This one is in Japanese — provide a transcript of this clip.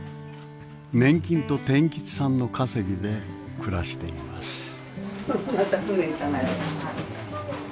年金と天吉さんの稼ぎで暮らしています。